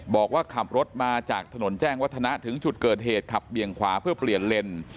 บอกว่าขับรถมาจากถนนแจ้งวัฒนะถึงจุดเกิดเหตุขับเบี่ยงขวาเพื่อเปลี่ยนเลน